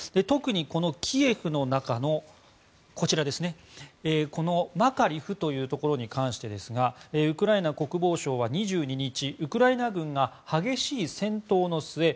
特にキエフの中のマカリフというところに関してですがウクライナ国防省は２２日ウクライナ軍が激しい戦闘の末